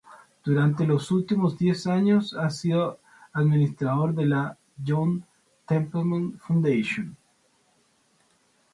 Durante los últimos diez años ha sido administrador de la John Templeton Foundation.